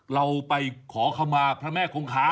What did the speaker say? เราไปขอคำมาพระแม่คงค้า